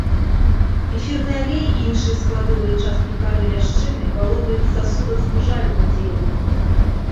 Эфірны алей і іншыя складовыя часткі кары ляшчыны валодаюць сасудазвужальным дзеяннем.